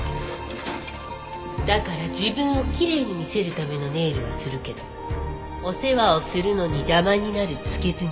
だから自分をきれいに見せるためのネイルはするけどお世話をするのに邪魔になる付け爪はしないの。